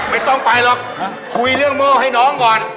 ไม่ต้องไปหรอกคุยเรื่องหม้อให้น้องก่อน